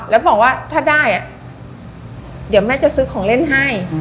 แล้วบอกว่าถ้าได้เดี๋ยวแม่จะซื้อของเล่นให้